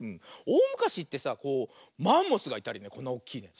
おおむかしってさこうマンモスがいたりこんなおっきいね。